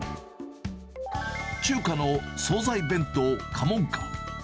中華の総菜弁当、過門香。